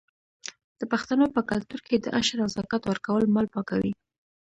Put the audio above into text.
د پښتنو په کلتور کې د عشر او زکات ورکول مال پاکوي.